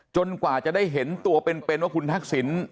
กว่าจะได้เห็นตัวเป็นว่าคุณทักษิณ